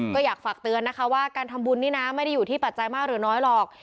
ก็อยากฝากเตือนนะคะว่าการทำบุญนี่นะไม่ได้อยู่ที่ปัจจัยมากหรือน้อยหรอก